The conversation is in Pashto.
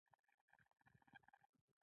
وسله کله ناکله د ازادۍ لپاره کارېږي